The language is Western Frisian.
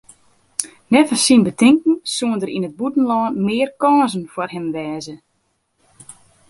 Neffens syn betinken soene der yn it bûtenlân mear kânsen foar him wêze.